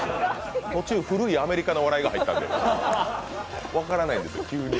途中、古いアメリカの笑いが入ったんで、分からないんです。